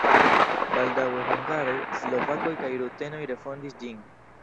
Baldaŭe hungaroj, slovakoj kaj rutenoj refondis ĝin.